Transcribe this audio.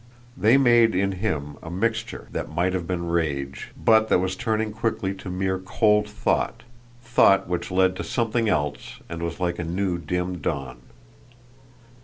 They made in him a mixture that might have been rage, but that was turning quickly to mere cold thought, thought which led to something else and was like a new dim dawn.